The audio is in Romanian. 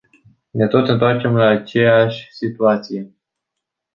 Ne tot întoarcem la aceeași situație.